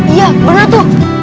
iya bener tuh